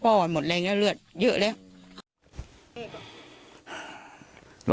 พันให้หมดตั้ง๓คนเลยพันให้หมดตั้ง๓คนเลย